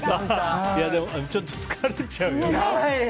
でも、ちょっと疲れちゃうよね。